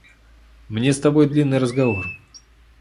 Мне с тобой длинный разговор.